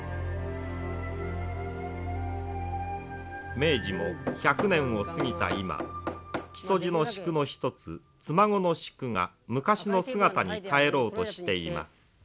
明治も１００年を過ぎた今木曽路の宿の一つ妻籠宿が昔の姿に返ろうとしています。